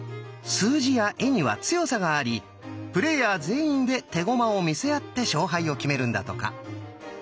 数字や絵には強さがありプレーヤー全員で手駒を見せ合って勝敗を決めるんだとか。